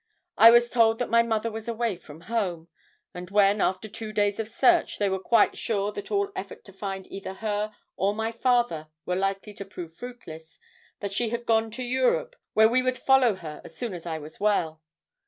I was told that my mother was away from home; and when after two days of search they were quite sure that all effort to find either her or my father were likely to prove fruitless, that she had gone to Europe where we would follow her as soon as I was well.